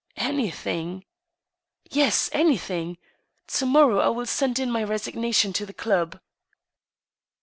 " Anything ?"" Yes, anything. To morrow I will send in my resignation to the club."